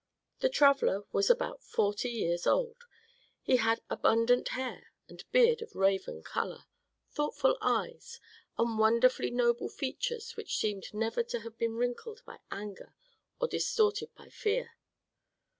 That traveller was about forty years old, he had abundant hair and beard of raven color, thoughtful eyes, and wonderfully noble features which seemed never to have been wrinkled by anger or distorted by fear.